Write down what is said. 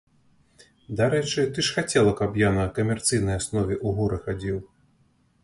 Дарэчы, ты ж хацела, каб я на камерцыйнай аснове ў горы хадзіў.